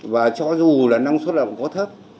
và cho dù là năng suất lao động có thấp